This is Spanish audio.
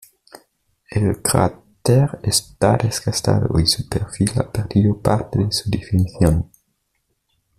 El cráter está desgastado, y su perfil ha perdido parte de su definición.